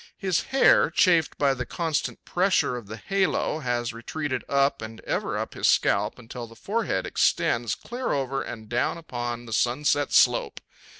His hair, chafed by the constant pressure of the halo, has retreated up and ever up his scalp until the forehead extends clear over and down upon the sunset slope.